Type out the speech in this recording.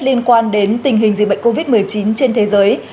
liên quan đến tình hình dịch bệnh covid một mươi chín trên thế giới